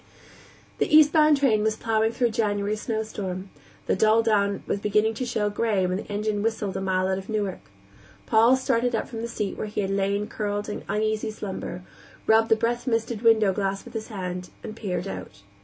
The eastbound train was plowing through a January snowstorm; the dull dawn was beginning to show gray when the engine whistled a mile out of Newark. Paul started up from the seat where he had lain curled in uneasy slumber, rubbed the breath misted window glass with his hand, and peered out.